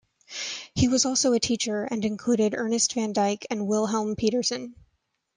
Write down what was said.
He was also a teacher, and included Ernest van Dyck and Wilhelm Petersen.